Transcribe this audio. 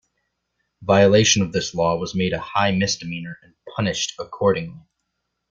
Violation of this law was made a high misdemeanor and punished accordingly.